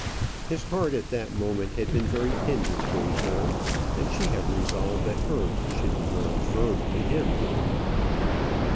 His heart at that moment had been very tender towards her, and she had resolved that hers should be very firm to him.